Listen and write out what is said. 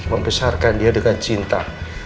membesarkan dia dengan cinta